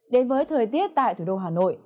đến với thời tiết tại thủ đô hà nội